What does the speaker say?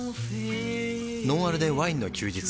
「ノンアルでワインの休日」